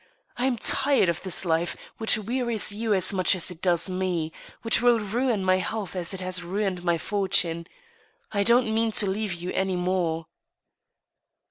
I am tired of this life, which wearies you as much as it does me ; which will ruin my health as it has ruined my fortune. ... I don't mean to leave you any more."